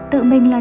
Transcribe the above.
tự mình làm việc